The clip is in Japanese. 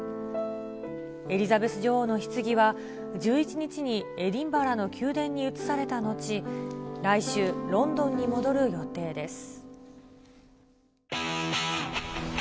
エリザベス女王のひつぎは、１１日にエディンバラの宮殿に移された後、来週、ロンドンに戻る予定です。